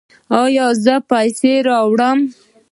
ایا زه پیسې راوړم؟